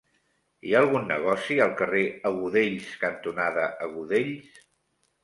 Hi ha algun negoci al carrer Agudells cantonada Agudells?